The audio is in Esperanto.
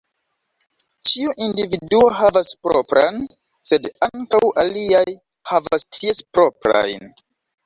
Ĉiu individuo havas propran, sed ankaŭ aliaj havas ties proprajn.